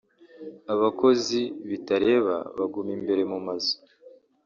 abakozi bitareba baguma imbere mu mazu